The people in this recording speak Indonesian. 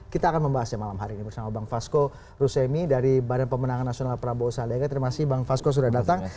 kita akan membahasnya malam hari ini bersama bang fasko rusemi dari badan pemenangan nasional prabowo saliaga terima kasih bang fasko sudah datang